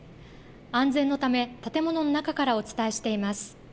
安全のため建物の中からお伝えしています。